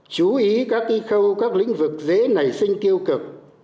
chú ý các lĩnh vực dễ nảy sinh tiêu cực